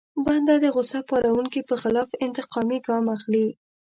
بنده د غوسه پاروونکي په خلاف انتقامي ګام اخلي.